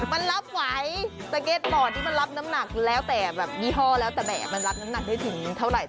มันรับไหวสะเก็ดหม่อที่มันรับน้ำหนักยี่ห้อแล้วแต่แบบมันรับน้ำหนักได้ถึงเท่าไหร่